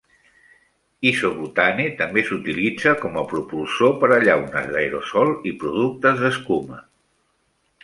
Isobutane també s'utilitza com a propulsor per a llaunes d'aerosol i productes d'escuma.